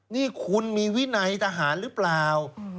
นี่คุณมีวินัยทหารหรือเปล่า